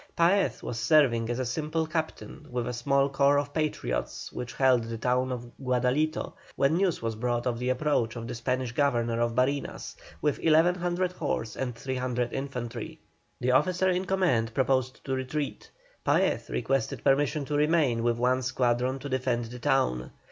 Paez was serving as a simple captain with a small corps of Patriots which held the town of Guadalito, when news was brought of the approach of the Spanish governor of Barinas, with 1,100 horse and 300 infantry. The officer in command proposed to retreat. Paez requested permission to remain with one squadron to defend the town.